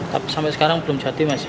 tapi sampai sekarang belum jadi masih